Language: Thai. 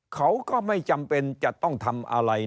เขาก็ไม่จำเป็นจะต้องทำอะไร